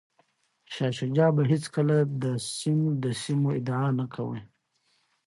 شاه شجاع به هیڅکله د سند د سیمو ادعا نه کوي.